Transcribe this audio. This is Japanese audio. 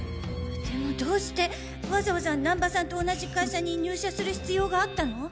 でもどうしてわざわざ難波さんと同じ会社に入社する必要があったの？